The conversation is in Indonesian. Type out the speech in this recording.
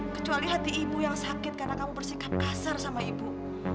kecuali hati ibu yang sakit karena kamu bersikap kasar sama ibu